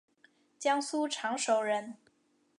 江苏常熟人。